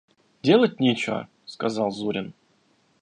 «Делать нечего! – сказал Зурин.